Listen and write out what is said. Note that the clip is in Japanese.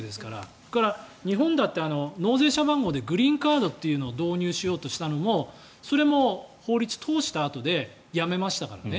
それから日本だって納税者番号でグリーンカードというのを導入しようとしたのも、それも法律を通したあとでやめましたからね。